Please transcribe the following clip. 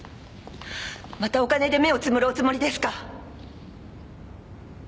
またお金で目をつむるおつもりですか？